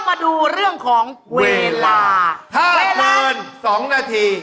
เอาลูกไตล่ะ